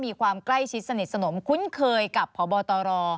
มีความใกล้ชิดสนิทสนมคุ้นเคยกับพบตร